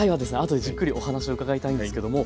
後でじっくりお話を伺いたいんですけども。